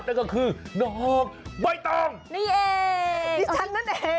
นั่นก็คือน้องใบตองนี่เองดิฉันนั่นเอง